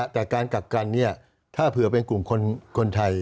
แต่การกักกันถ้าเผื่อเป็นกลุ่มคนไทย